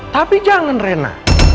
tapi jangan rena